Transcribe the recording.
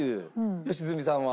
良純さんは？